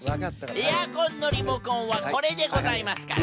エアコンのリモコンはこれでございますから。